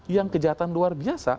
yang kejahatan luar biasa